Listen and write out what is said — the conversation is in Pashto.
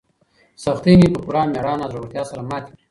سختۍ مې په پوره مېړانه او زړورتیا سره ماتې کړې.